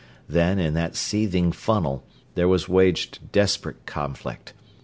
Then in that seething funnel there was waged desperate conflict.